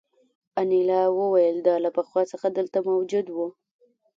انیلا وویل دا له پخوا څخه دلته موجود وو